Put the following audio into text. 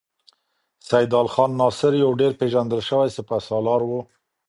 سیدال خان ناصر یو ډېر پیژندل شوی سپه سالار و.